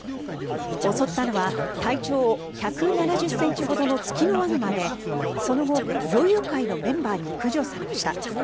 襲ったのは体長１７０ｃｍほどのツキノワグマでその後、猟友会のメンバーに駆除されました。